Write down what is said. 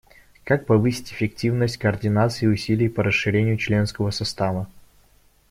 Как повысить эффективность координации и усилий по расширению членского состава?